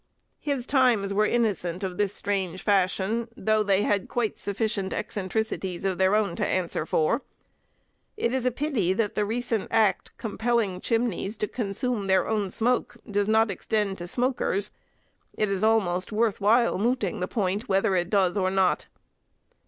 His times were innocent of this strange fashion, though they had quite sufficient eccentricities of their own to answer for. It is a pity that the recent act, compelling chimneys to consume their own smoke, does not extend to smokers; it is almost worth while mooting the point, whether it does or not.